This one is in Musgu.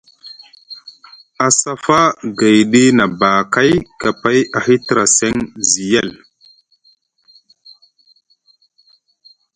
A cafa gayɗi nʼabakay kapay a hitra seŋ zi yel.